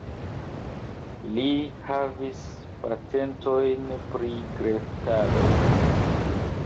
Li havis patentojn pri greftadoj.